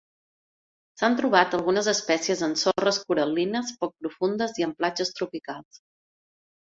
S'han trobat algunes espècies en sorres coral·lines poc profundes i en platges tropicals.